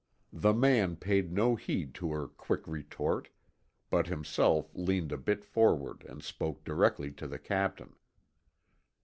The man paid no heed to her quick retort, but himself leaned a bit forward and spoke directly to the captain.